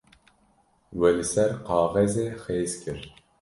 We li ser kaxezê xêz kir.